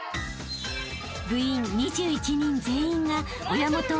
［部員２１人全員が親元を離れ